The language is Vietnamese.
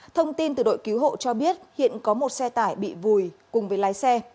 thông tin từ đội cứu hộ cho biết hiện có một xe tải bị vùi cùng với lái xe